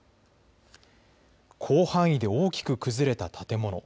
広範囲で大きく崩れた建物。